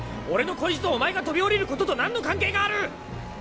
俺の恋路とお前が飛び降りることと何の関係がある！